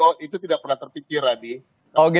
oh itu tidak pernah terpikir tadi